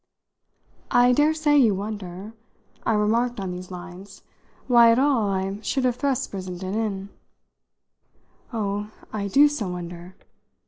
"I daresay you wonder," I remarked on these lines, "why, at all, I should have thrust Brissenden in." "Oh, I do so wonder!"